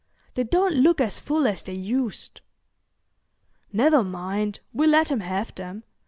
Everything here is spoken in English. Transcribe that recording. They don't look as full as they used." "Never mind, we'll let him have them.